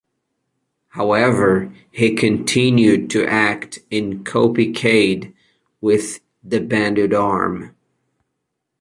However he continued to act in "Kopi Kade" with the banded arm.